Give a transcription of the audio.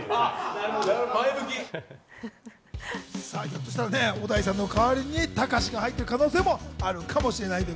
ひょっとしたら小田井さんの代わりにたかしが入ってくる可能性もあるかもしれないんで。